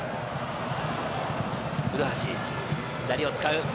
古橋、左を使う。